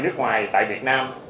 nước ngoài tại việt nam